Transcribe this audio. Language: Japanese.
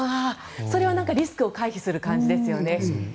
それはリスクを回避する感じですよね。